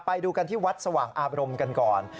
ไปดูกันที่วัดสว่างอาบรมกันก่อน